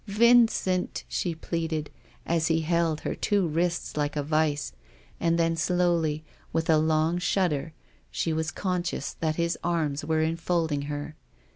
^" Vin — cent," she pleaded, as he held her two wrists like a vice, and then slowly, with a long shudder, she was conscious that arms were enfolding her.